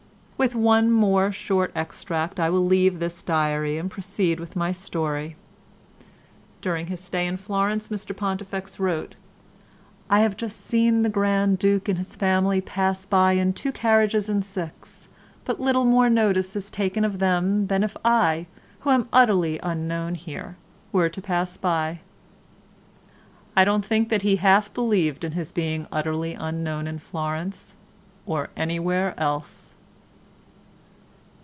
With one more short extract I will leave this diary and proceed with my story. During his stay in Florence Mr Pontifex wrote: "I have just seen the Grand Duke and his family pass by in two carriages and six, but little more notice is taken of them than if I, who am utterly unknown here, were to pass by." I don't think that he half believed in his being utterly unknown in Florence or anywhere else!